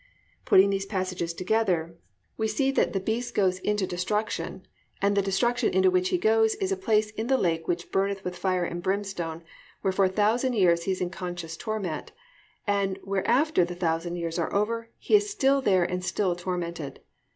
"+ Putting these passages together we see that the beast goeth into "destruction," and the destruction into which he goes is a place in the lake which burneth with fire and brimstone, where for a thousand years he is in conscious torment, and where after the thousand years are over he is still there and is still tormented.